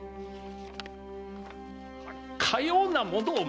かようなものをまだ！